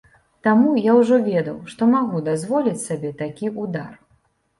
Таму я ўжо ведаў, што магу дазволіць сабе такі ўдар.